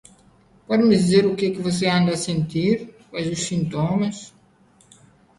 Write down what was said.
Xeque mate ateus